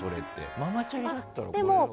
ママチャリだったら。